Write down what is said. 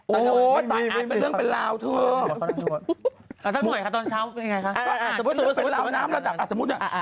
โอ้แต่อาจเป็นเรื่องเป็นราวทุก